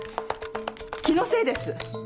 気のせいです！